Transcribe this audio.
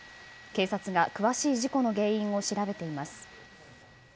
警察が詳しい事故の原因を調べています。